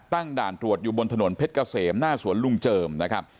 ด่านตรวจอยู่บนถนนเพชรเกษมหน้าสวนลุงเจิมนะครับ